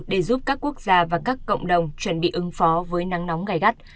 để giúp các quốc gia và các cộng đồng chuẩn bị ứng phó với nắng nóng gai gắt